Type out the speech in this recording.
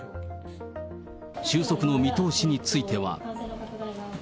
収束の見通しについては。